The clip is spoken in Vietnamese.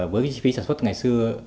với cái chi phí sản xuất ngày xưa